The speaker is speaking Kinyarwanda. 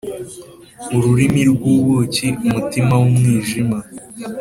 ururimi rwubuki, umutima wumwijima.